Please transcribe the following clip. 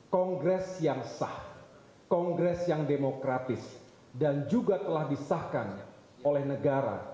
kongres yang sah kongres yang demokratis dan juga telah disahkan oleh negara